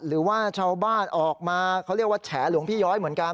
หรือว่าชาวบ้านออกมาเขาเรียกว่าแฉหลวงพี่ย้อยเหมือนกัน